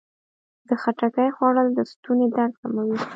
د خټکي خوړل د ستوني درد کموي.